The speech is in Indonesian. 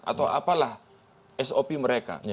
atau apalah sop mereka